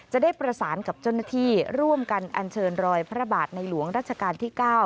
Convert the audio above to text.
จะได้ประสานกับเจ้าหน้าที่ร่วมกันอัญเชิญรอยพระบาทในหลวงรัชกาลที่๙